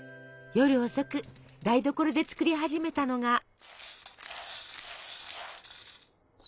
夜遅く台所で作り始めたのが。